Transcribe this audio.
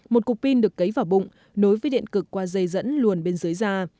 một cục pin được cấy vào bụng nối với điện cực qua dây dẫn luồn bên dưới da